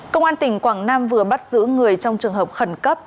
công an tỉnh quảng nam vừa bắt giữ người trong trường hợp khẩn cấp